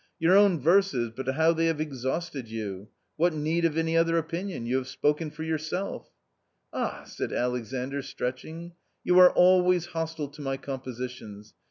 " Your own verses, but how they have exhausted you ! What need of any other opinion ? You have spoken for yourself !"" Ah !" said Alexandr, stretching, " you are always hostile to my compositions